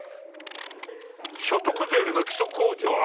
「所得税の基礎控除は」